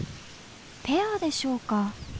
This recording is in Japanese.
ペアでしょうか？